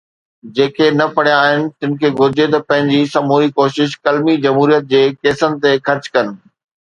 جيڪي نه پڙهيا آهن، تن کي گهرجي ته پنهنجي سموري ڪوشش قلمي جمهوريت جي ڪيسن تي خرچ ڪن.